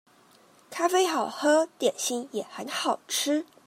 咖啡好喝，點心也很好吃